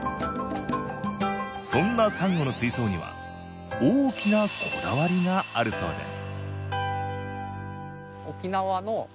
そんなサンゴの水槽には大きなこだわりがあるそうです